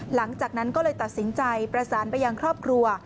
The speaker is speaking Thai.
หลังจากนั้นก็เลยตัดสินใจประสานไปยังครอบครัว